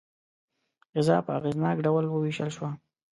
غذا په اغېزناک ډول وویشل شوه.